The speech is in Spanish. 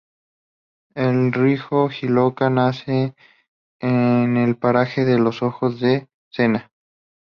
El río Jiloca nace en el paraje de los Ojos de Cella.